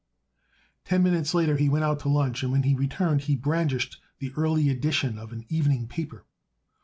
Ten minutes later he went out to lunch and when he returned he brandished the early edition of an evening paper.